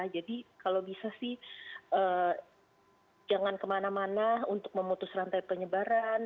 jadi kalau bisa sih jangan kemana mana untuk memutus rantai penyebaran